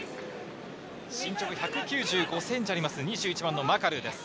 身長１９５センチあります、２１番のマカルーです。